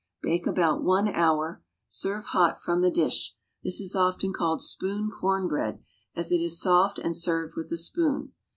Bake about one hour. Serve hot from the dish. This is often called spoon corn bread, as it is soft and served with a spoon.